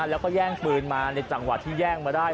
แล้วก็แย่งปืนมาในจังหวะที่แย่งมาได้